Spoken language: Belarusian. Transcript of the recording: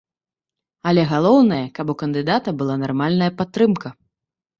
Але галоўнае, каб у кандыдата была нармальная падтрымка.